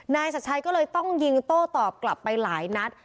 นายชัดชัยก็เลยต้องยิงโต้ตอบกลับไปหลายนัด